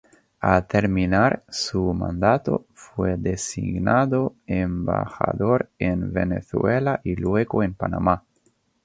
Al terminar su mandato, fue designado embajador en Venezuela y luego en Panamá.